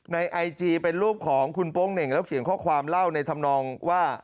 ไอจีเป็นรูปของคุณโป๊งเหน่งแล้วเขียนข้อความเล่าในธรรมนองว่า